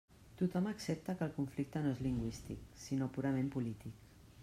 Tothom accepta que el conflicte no és lingüístic sinó purament polític.